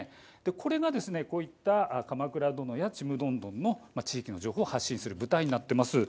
これがこういった「鎌倉殿」や「ちむどんどん」の地域の情報を発信する舞台になっています。